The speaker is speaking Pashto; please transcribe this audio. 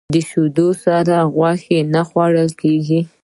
د شیدو سره غوښه نه خوړل کېږي.